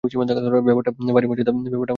ব্যাপারটা ভারি মজাদার, তাই না?